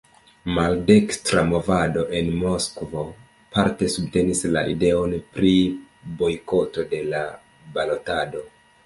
Maldekstra movado en Moskvo parte subtenis la ideon pri bojkoto de la balotado.